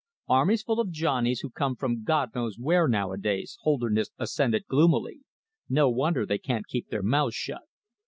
"Army's full of Johnnies, who come from God knows where nowadays," Holderness assented gloomily. "No wonder they can't keep their mouths shut."